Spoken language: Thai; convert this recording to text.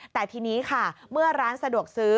แต่ทีนี้ค่ะเมื่อร้านสะดวกซื้อ